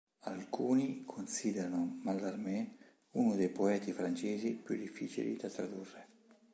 Alcuni considerano Mallarmé uno dei poeti francesi più difficili da tradurre.